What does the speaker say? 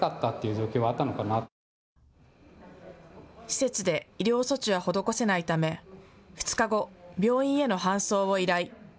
施設で医療措置は施せないため２日後、病院への搬送を依頼。